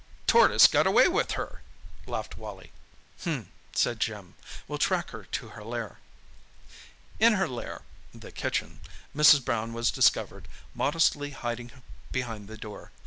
"Tortoise got away with her!" laughed Wally. "H'm," said Jim. "We'll track her to her lair." In her lair—the kitchen—Mrs. Brown was discovered, modestly hiding behind the door.